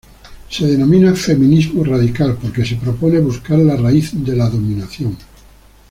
Se denomina feminismo radical porque se propone buscar la raíz de la dominación.